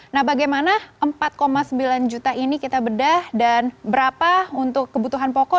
nah bagaimana empat sembilan juta ini kita bedah dan berapa untuk kebutuhan pokok